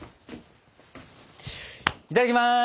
いただきます！